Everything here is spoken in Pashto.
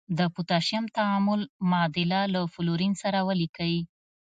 د پوتاشیم تعامل معادله له فلورین سره ولیکئ.